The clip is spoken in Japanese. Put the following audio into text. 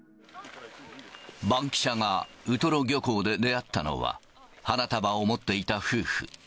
バンキシャがウトロ漁港で出会ったのは、花束を持っていた夫婦。